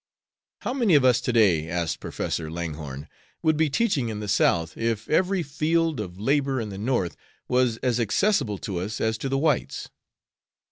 "How many of us to day," asked Professor Langhorne, "would be teaching in the South, if every field of labor in the North was as accessible to us as to the whites?